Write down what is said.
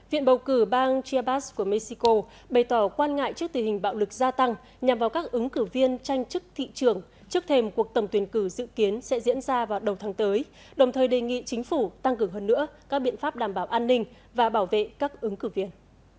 viện bầu cử bang chiabas của mexico bày tỏ quan ngại trước tình hình bạo lực gia tăng nhằm vào các ứng cử viên tranh chức thị trường trước thềm cuộc tổng tuyển cử dự kiến sẽ diễn ra vào đầu tháng tới đồng thời đề nghị chính phủ tăng cường hơn nữa các biện pháp đảm bảo an ninh và bảo vệ các ứng cử viên